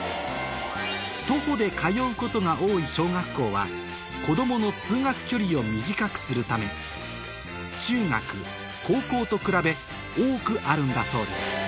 徒歩で通うことが多い小学校は子供の通学距離を短くするために中学高校と比べ多くあるんだそうです